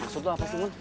maksud lo apa sih mun